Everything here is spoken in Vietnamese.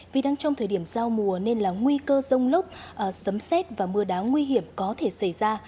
vì đang trong thời điểm giao mùa nên là nguy cơ rông lốc sấm xét và mưa đá nguy hiểm có thể xảy ra